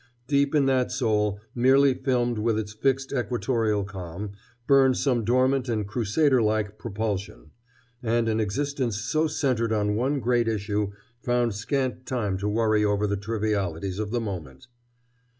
Deep in that soul, merely filmed with its fixed equatorial calm, burned some dormant and crusader like propulsion. And an existence so centered on one great issue found scant time to worry over the trivialities of the moment.